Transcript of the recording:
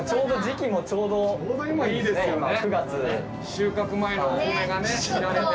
収穫前のお米がね見られて。